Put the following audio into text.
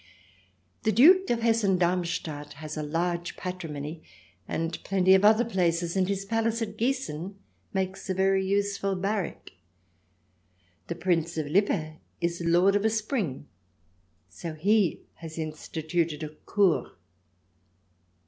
The Duke of Hessen Darmstadt has a large patrimony and plenty of other places, and his palace at Giessen makes a very useful barrack. The Prince of Lippe is lord of a spring, so he has instituted a Kur.